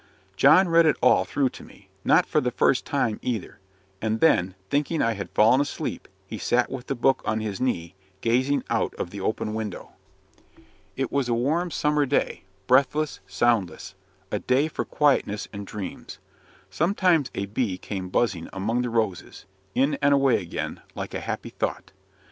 John read it all through to me not for the first time either; and then, thinking I had fallen asleep, he sat with the book on his knee, gazing out of the open window. It was a warm summer day breathless, soundless a day for quietness and dreams. Sometimes a bee came buzzing among the roses, in and away again, like a happy thought.